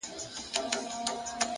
هره ورځ د نوي فصل لومړۍ پاڼه ده,